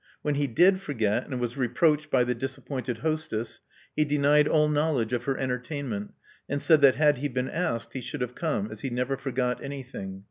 When he did forget, and was reproached by the disappointed hostess, he denied all knowledge of her entertainment, and said that had he been asked he should have come, as he never forgot anything.